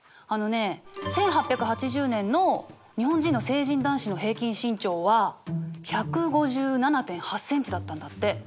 あのね１８８０年の日本人の成人男子の平均身長は１５７．８ｃｍだったんだって。